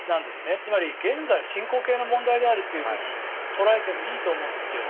つまり現在進行形の問題であると捉えてもいいと思うんですよ。